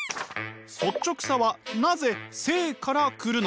率直さはなぜ生から来るのか？